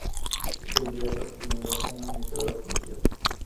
De inmediato se nombró un administrador judicial.